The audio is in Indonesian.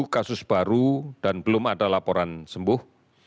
satu kasus baru dan belum ada laporan sembuh